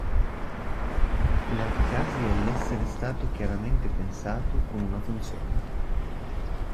In altri casi è l"'essere stato chiaramente pensato con una funzione".